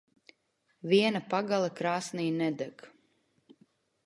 Viena pagale krāsnī nedeg.